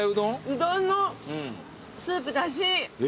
うどんのスープだし。